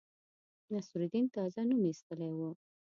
نصرالدین تازه نوم ایستلی وو.